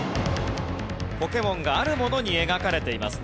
ポケモンがあるものに描かれています。